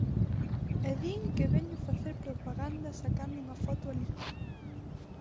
¡E din que veño facer propaganda sacando unha foto alí!